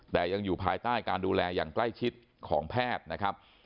แต่ยังอยู่ภายใต้การดูแลอย่างใกล้ชิดของแพทย์นะครับ